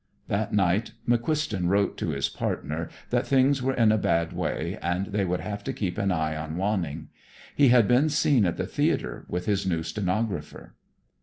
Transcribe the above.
That night McQuiston wrote to his partner that things were in a bad way, and they would have to keep an eye on Wanning. He had been seen at the theatre with his new stenographer.